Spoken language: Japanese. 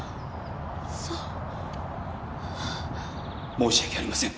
申し訳ありません。